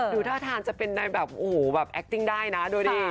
ดูดรฐานจะเป็นในแบบแอคติ้งได้นะดูนี่